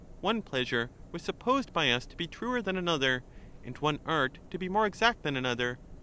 One pleasure was supposed by us to be truer than another, and one art to be more exact than another.